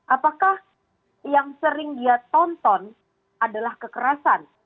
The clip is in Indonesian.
apakah yang sering dia tonton adalah kekerasan